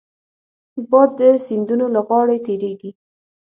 باد د سیندونو له غاړې تېرېږي